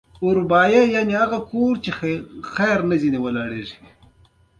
د میدان وردګو په چک کې د څه شي نښې دي؟